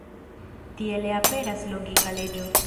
Tiele aperas logika leĝo.